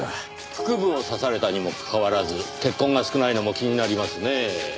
腹部を刺されたにもかかわらず血痕が少ないのも気になりますねぇ。